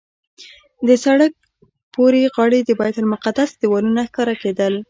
د سړک پورې غاړې د بیت المقدس دیوالونه ښکاره کېدل.